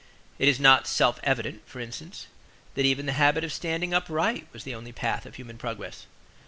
It is not self evident (for instance), that even the habit of standing upright was the only path of human progress.